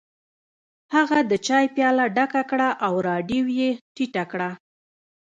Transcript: هغه د چای پیاله ډکه کړه او رادیو یې ټیټه کړه